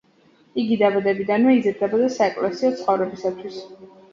იგი დაბადებიდანვე იზრდებოდა საეკლესიო ცხოვრებისათვის.